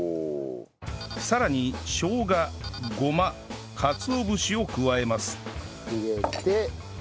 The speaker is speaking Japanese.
さらにしょうがごまかつお節を加えます入れて。